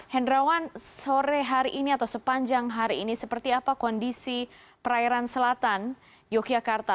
hendrawan sore hari ini atau sepanjang hari ini seperti apa kondisi perairan selatan yogyakarta